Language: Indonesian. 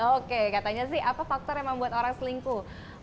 oke katanya sih apa faktor yang membuat orang selingkuh